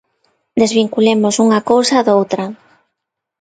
Desvinculemos unha cousa doutra.